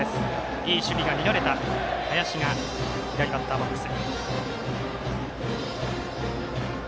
いい守備が見られた林が左バッターボックス。